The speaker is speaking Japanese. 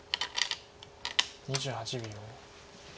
２８秒。